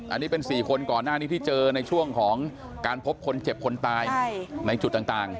อันนี้เป็น๔คนก่อนหน้านี้ที่เจอในช่วงของการพบคนเจ็บคนตายในจุดต่าง